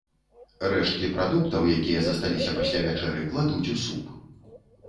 Рэшткі прадуктаў, якія засталіся пасля вячэры, кладуць у суп.